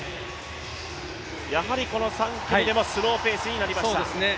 やはり３組めもスローペースになりました。